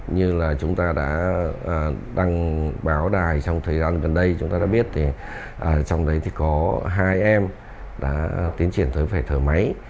như là chúng ta đã đăng báo đài trong thời gian gần đây chúng ta đã biết thì trong đấy thì có hai em đã tiến triển tới phải thở máy